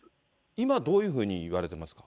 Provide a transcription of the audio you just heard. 今、どういうふうにいわれてますか。